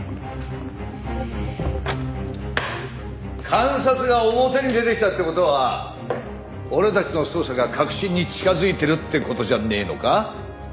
監察が表に出てきたって事は俺たちの捜査が核心に近づいてるって事じゃねえのか？